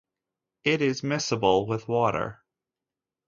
It is miscible with water.